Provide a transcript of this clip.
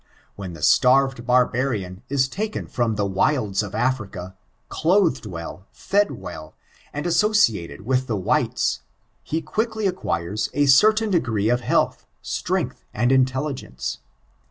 When the itarted barbarian ia taken from the wildf of Africa, dotked weU^ fed well, and aaiodated widi the wfaitea* he qoiokly acquires a certain degree of healdv strength, and intelligence.